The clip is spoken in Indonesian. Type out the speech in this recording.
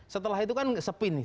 setelah itu kan sepi nih